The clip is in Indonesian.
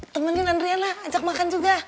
temenin andriana ajak makan juga